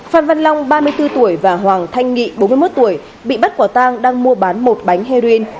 phan văn long ba mươi bốn tuổi và hoàng thanh nghị bốn mươi một tuổi bị bắt quả tang đang mua bán một bánh heroin